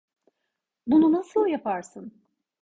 Bunu nasıl yaparsın?